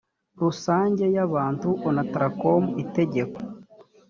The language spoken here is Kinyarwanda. rusange y abantu onatracom itegeko